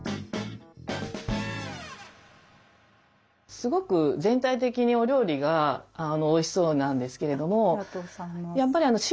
すごく全体的にお料理がおいしそうなんですけれども。